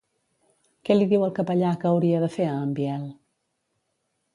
Què li diu el capellà que hauria de fer a en Biel?